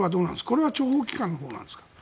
これは諜報機関のほうなんですか。